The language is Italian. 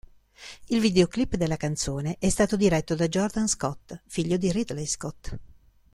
Il videoclip della canzone è stato diretto da Jordan Scott, figlio di Ridley Scott.